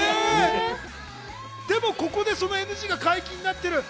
でもここでＮＧが解禁になってる。